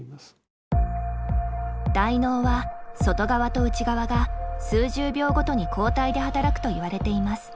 大脳は外側と内側が数十秒ごとに交代で働くといわれています。